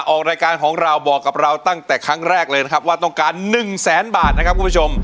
ออกรายการของเราบอกกับเราตั้งแต่ครั้งแรกเลยนะครับว่าต้องการ๑แสนบาทนะครับคุณผู้ชม